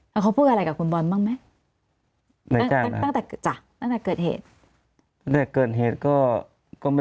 เขาพูดอะไรกับคุณบอลบ้างมั้ย